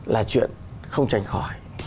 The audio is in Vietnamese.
là chuyện không tránh khỏi